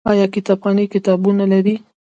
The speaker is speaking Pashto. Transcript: آیا کتابخانې کتابونه لري؟